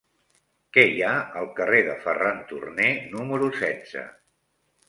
Què hi ha al carrer de Ferran Turné número setze?